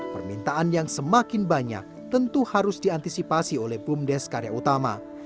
permintaan yang semakin banyak tentu harus diantisipasi oleh bumdes karya utama